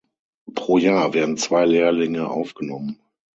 Pro Jahr werden zwei Lehrlinge aufgenommen.